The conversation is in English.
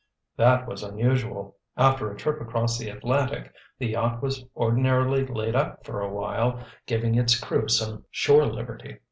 That was unusual. After a trip across the Atlantic, the yacht was ordinarily laid up for awhile, giving its crew some shore liberty.